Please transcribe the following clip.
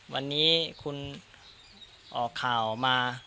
วันนี้คุณออกข่าวมา